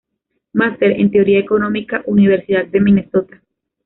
Máster en Teoría Económica, Universidad de Minnesota.